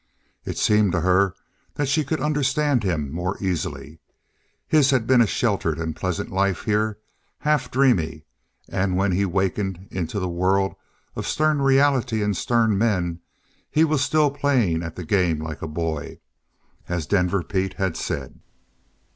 It seemed to her that she could understand him more easily. His had been a sheltered and pleasant life here, half dreamy; and when he wakened into a world of stern reality and stern men, he was still playing at a game like a boy as Denver Pete had said.